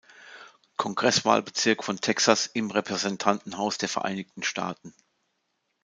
Kongresswahlbezirk von Texas im Repräsentantenhaus der Vereinigten Staaten.